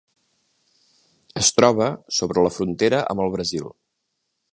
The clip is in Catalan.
Es troba sobre la frontera amb el Brasil.